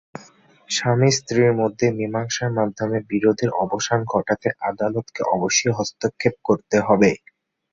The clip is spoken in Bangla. স্বামী -স্ত্রীর মধ্যে মীমাংসার মাধ্যমে বিরোধের অবসান ঘটাতে আদালতকে অবশ্যই হস্তক্ষেপ করতে হবে।